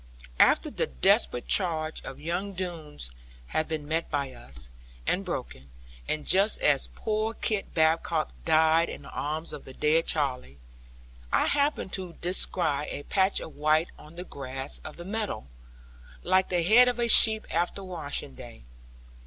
After the desperate charge of young Doones had been met by us, and broken, and just as Poor Kit Badcock died in the arms of the dead Charley, I happened to descry a patch of white on the grass of the meadow, like the head of a sheep after washing day.